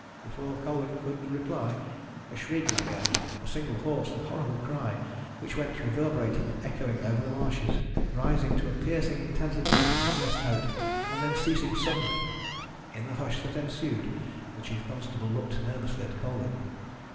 Before Colwyn could reply a shriek rang out a single hoarse and horrible cry, which went reverberating and echoing over the marshes, rising to a piercing intensity at its highest note, and then ceasing suddenly. In the hush that ensued the chief constable looked nervously at Colwyn.